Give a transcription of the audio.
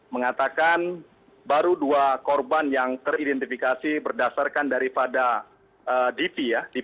mengatakan baru dua korban yang teridentifikasi berdasarkan daripada dp